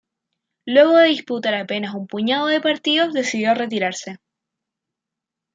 Luego de disputar apenas un puñado de partidos, decidió retirarse.